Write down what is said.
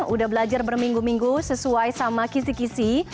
udah belajar berminggu minggu sesuai sama kisi kisi